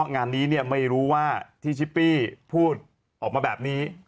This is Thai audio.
งานนี้ไม่รู้ว่าที่ชิปปี้พูดออกมาแบบนี้